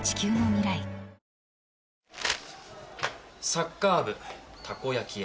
サッカー部タコ焼き屋。